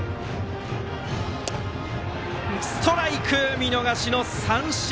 ストライクで見逃し三振！